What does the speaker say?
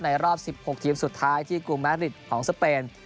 รอบ๑๖ทีมสุดท้ายที่กรุงแมริดของสเปน